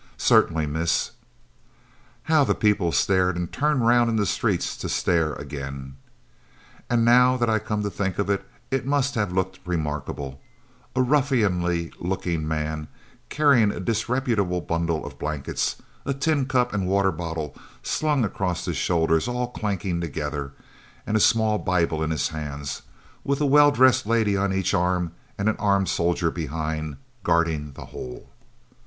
"Certainly, miss." How the people stared and turned round in the street to stare again! And now that I come to think of it, it must have looked remarkable a ruffianly looking man, carrying a disreputable bundle of blankets, a tin cup and water bottle slung across his shoulders all clanking together, and a small Bible in his hands, with a well dressed lady on each arm and an armed soldier behind, guarding the whole!